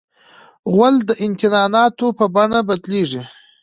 غول د انتاناتو په بڼه بدلیږي.